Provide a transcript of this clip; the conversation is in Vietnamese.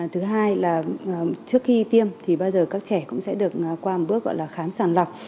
thứ hai là trước khi tiêm thì bao giờ các trẻ cũng sẽ được qua một bước gọi là khám sàng lọc